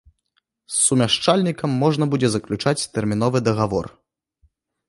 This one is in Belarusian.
З сумяшчальнікам можна будзе заключаць тэрміновы дагавор.